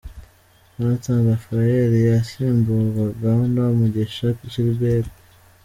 Jonathan Raphael yasimburwaga na Mugisha Gilbert.